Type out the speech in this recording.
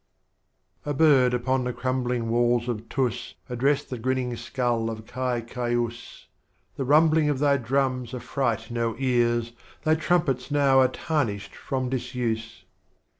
A Bird upon the crumbling walls of Tiis, Addressed the griuning Skull of Kai Kaiiis; "The Rumbling of Thy Drums affright no Ears, Thy Trumpets now are tarnished from Disuse."